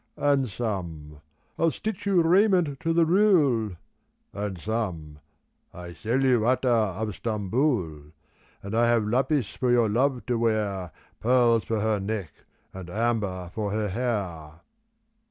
And some, " I stitch you raiment to the rule !" And some, " I sell you attar of Stamboul !"" And I have lapis for your love to wear, Pearls for her neck and amber for her hair."